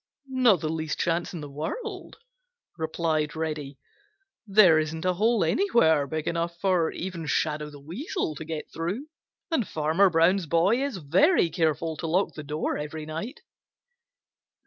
"Not the least chance in the world," replied Reddy. "There isn't a hole anywhere big enough for even Shadow the Weasel to get through, and Farmer Brown's boy is very careful to lock the door every night."